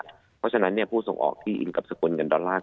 เพราะฉะนั้นผู้ส่งออกที่อินกับสกุลเงินดอลลาร์